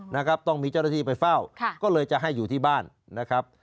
นะครับต้องมีเจ้าหน้าที่ไปเฝ้าค่ะก็เลยจะให้อยู่ที่บ้านนะครับ